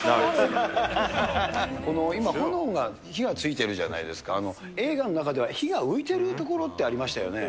この今、炎が、火がついてるじゃないですか、映画の中では火が浮いてるところってありましたよね？